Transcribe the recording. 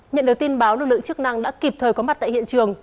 nhận được tin báo lực lượng chức năng đã kịp thời có mặt tại hiện trường